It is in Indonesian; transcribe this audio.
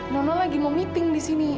nona lagi mau meeting disini